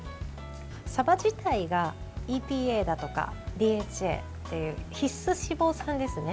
さば自体がＥＰＡだとかＤＨＡという必須脂肪酸ですね